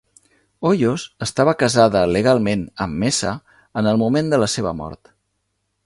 Hoyos estava casada legalment amb Mesa en el moment de la seva mort.